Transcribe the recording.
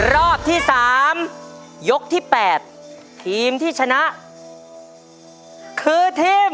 รอบที่๓ยกที่๘ทีมที่ชนะคือทีม